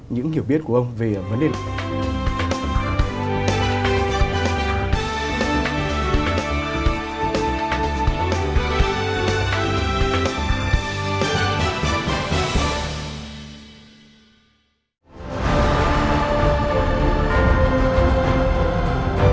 những hiểu biết của ông về vấn đề này